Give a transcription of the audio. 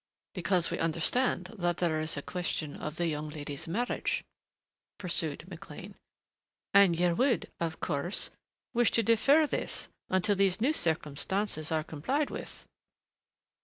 "Because we understand that there is a question of the young lady's marriage," pursued McLean, "and you would, of course, wish to defer this until these new circumstances are complied with."